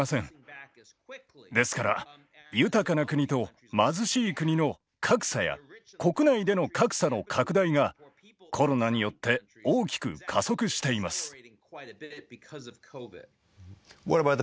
ですから豊かな国と貧しい国の格差や国内での格差の拡大がコロナによって大きく加速しています。